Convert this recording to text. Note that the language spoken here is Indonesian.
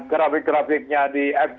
grafik grafiknya di fdr